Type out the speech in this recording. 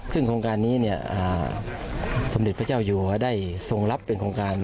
ซึ่งโครงการนี้เนี่ยอ่าสำหรับพระเจ้าอยู่ว่าได้ทรงรับเป็นโครงการ